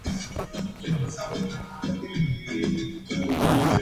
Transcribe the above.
Un estudiante de intercambio entre la Tierra y Júpiter.